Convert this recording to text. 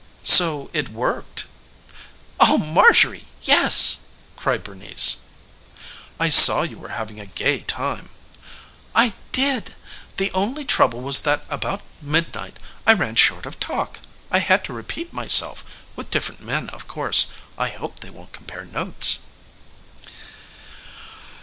"So it worked?" "Oh, Marjorie, yes!" cried Bernice. "I saw you were having a gay time." "I did! The only trouble was that about midnight I ran short of talk. I had to repeat myself with different men of course. I hope they won't compare notes."